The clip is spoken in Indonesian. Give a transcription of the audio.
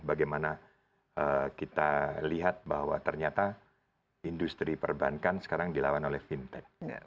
bagaimana kita lihat bahwa ternyata industri perbankan sekarang dilawan oleh fintech